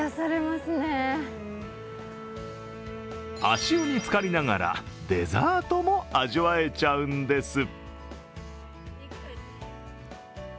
足湯につかりながらデザートも味わえちゃうんです。